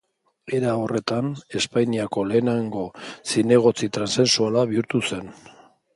Era horretan Espainiako lehenengo zinegotzi transexuala bihurtu zen.